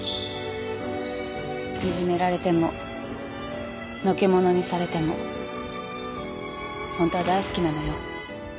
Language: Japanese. いじめられてものけ者にされてもホントは大好きなのよ